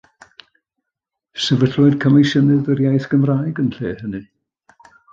Sefydlwyd Comisiynydd yr Iaith Gymraeg yn lle hynny.